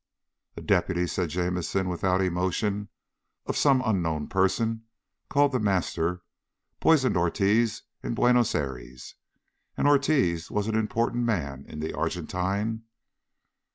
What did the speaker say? "A deputy," said Jamison without emotion, "of some unknown person called The Master poisoned Ortiz in Buenos Aires. And Ortiz was an important man in the Argentine.